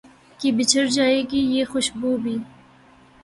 کہ بچھڑ جائے گی یہ خوش بو بھی